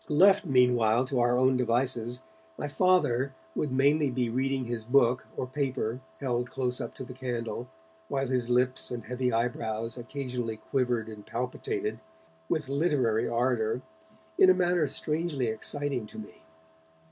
Left meanwhile to our own devices, my Father would mainly be reading his book or paper held close up to the candle, while his lips and heavy eyebrows occasionally quivered and palpitated, with literary ardour, in a manner strangely exciting to me.